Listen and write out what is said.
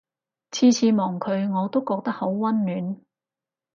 次次望佢我都覺得好溫暖